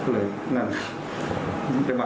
เลยนั่นค่ะ